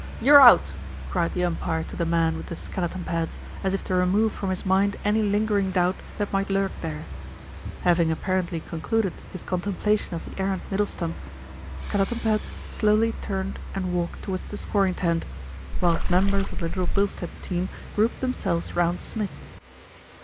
"You're out," cried the umpire to the man with the skeleton pads, as if to remove from his mind any linger ing doubt that might lurk there. Having apparently concluded his contemplation of the errant middle stump, Skeleton Pads slowly turned and walked towards the scoring tent, whilst members of the Little Bilstead team grouped themselves round Smith.